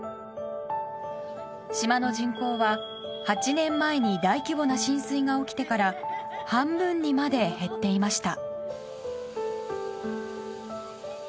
島の人口は、８年前に大規模な浸水が起きてから半分にまで減っていました。